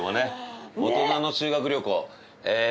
大人の修学旅行。